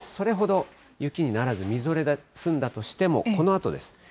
東京も日中、それほど雪にならず、みぞれで済んだとしても、このあとです。